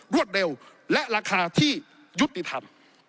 รวดเร็วและราคาที่ยุติธรรม